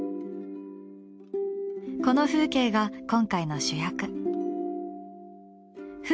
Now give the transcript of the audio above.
この風景が今回の主役。